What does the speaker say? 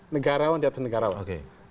negarawan di atas negarawan